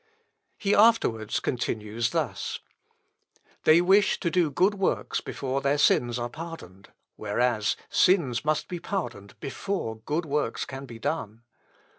He afterwards continues thus: "They wish to do good works before their sins are pardoned, whereas sins must be pardoned before good works can be done.